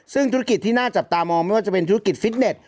ซึ่งธุรกิจที่น่าจับตามองไม่ว่าจะเป็นธุรกิจฟิตเน็ต